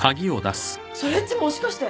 それっちもしかして。